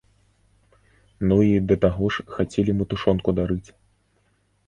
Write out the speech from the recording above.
Ну і, да таго ж, хацелі мы тушонку дарыць.